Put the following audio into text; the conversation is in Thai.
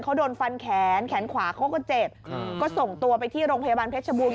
เขาโดนฟันแขนแขนขวาเขาก็เจ็บก็ส่งตัวไปที่โรงพยาบาลเพชรบูรณ